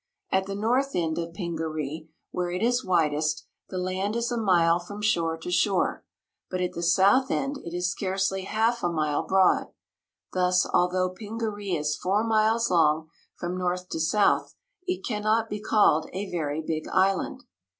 At the north end of Pingaree, where it is widest, the land is a mile from shore to shore, but at the south end it is scarcely half a mile broad; thus, although Pingaree is four miles long, from north to south, it cannot be called a very big island.